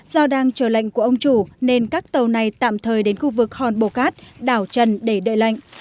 do đang chờ lệnh của ông chủ nên các tàu này tạm thời đến khu vực hòn bồ cát đảo trần để đợi lệnh